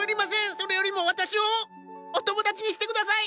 それよりも私をお友達にして下さい！